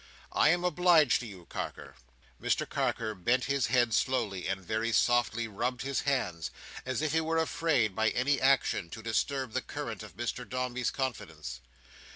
I am obliged to you, Carker." Mr Carker bent his head slowly, and very softly rubbed his hands, as if he were afraid by any action to disturb the current of Mr Dombey's confidence.